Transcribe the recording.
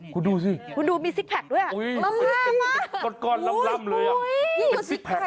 คุณดูสิอุ๊ยคุณดูมีซิกแพคร่ำมากจริง